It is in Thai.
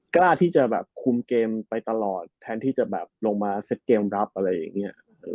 กล้าที่จะแบบคุมเกมไปตลอดแทนที่จะแบบลงมาเซ็ตเกมรับอะไรอย่างนี้